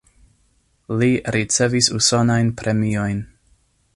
Li ricevis usonajn premiojn.